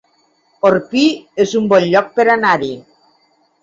Orpí es un bon lloc per anar-hi